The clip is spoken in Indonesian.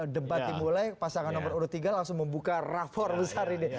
debat dimulai pasangan nomor urut tiga langsung membuka rapor besar ini